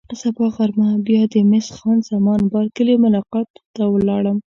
سبا غرمه بیا د مس خان زمان بارکلي ملاقات ته ولاړم.